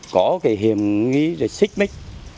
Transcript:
có hiểm nghĩ xích mít